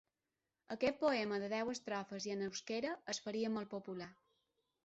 Aquest poema de deu estrofes i en euskera, es faria molt popular.